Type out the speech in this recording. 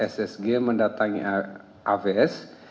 ssg mendatangi avs